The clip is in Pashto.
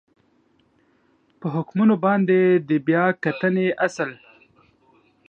په حکمونو باندې د بیا کتنې اصل